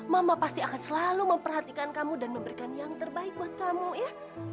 mama pasti akan selalu memperhatikan kamu dan memberikan yang terbaik buat kamu ya